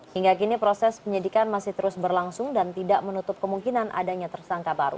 hingga kini proses penyidikan masih terus berlangsung dan tidak menutup kemungkinan adanya tersangka baru